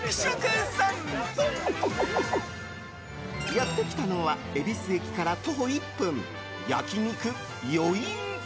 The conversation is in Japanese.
やってきたのは恵比寿駅から徒歩１分焼肉よいん。